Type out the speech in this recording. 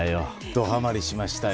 どハマりしましたよ。